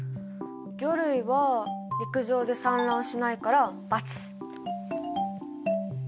魚類は陸上で産卵しないから×。